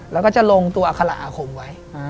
แล้วก็จะลงตัวอัคระอาคมไว้